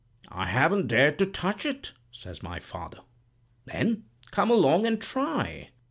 "'I haven't dared to touch it,' says my father. "'Then come along and try.'